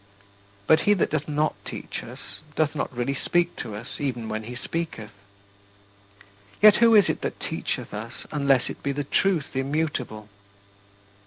But he that doth not teach us doth not really speak to us even when he speaketh. Yet who is it that teacheth us unless it be the Truth immutable?